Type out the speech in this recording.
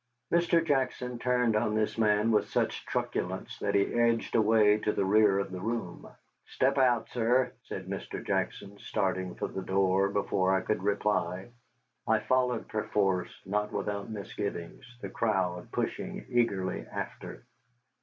Mr. Jackson turned on this man with such truculence that he edged away to the rear of the room. "Step out, sir," said Mr. Jackson, starting for the door before I could reply. I followed perforce, not without misgivings, the crowd pushing eagerly after.